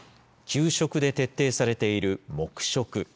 給食で徹底されている黙食。